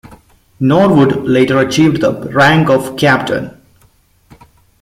Norwood later achieved the rank of captain.